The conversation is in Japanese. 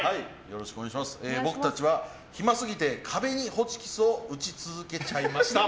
僕たちは暇すぎて壁にホチキスを打ち続けちゃいました。